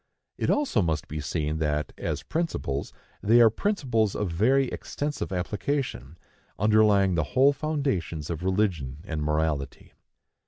It also must be seen that, as principles, they are principles of very extensive application, underlying the whole foundations of religion and morality.